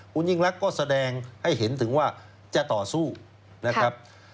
คุณยิ่งรักก็แสดงให้เห็นถึงว่าจะต่อสู้นะครับ